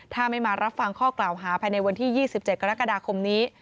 ถ้าไม่มารับฟังข้อกล่าวหาภายในวันที่๒๗กรกฎาคมนี้